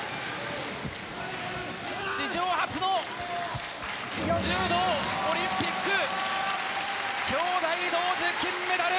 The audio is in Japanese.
史上初の柔道オリンピック兄妹同時金メダル！